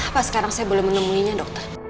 apa sekarang saya boleh menemuinya dokter